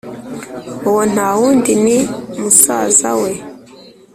uwo ntawundi ni musaza we